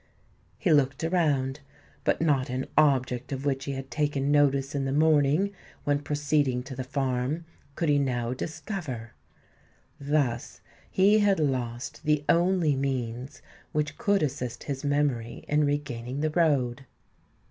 He looked around; but not an object of which he had taken notice in the morning, when proceeding to the farm, could he now discover. Thus he had lost the only means which could assist his memory in regaining the road.